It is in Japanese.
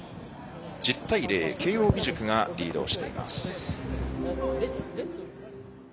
１０対０で慶応義塾が早稲田をリードしています。